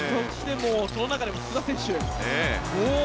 その中でも須田選手